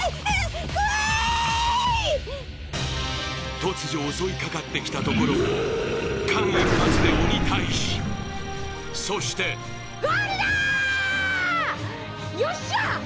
突如襲いかかってきたところを間一髪で鬼タイジそしてよっしゃ！